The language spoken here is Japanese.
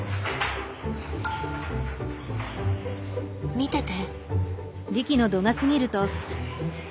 見てて。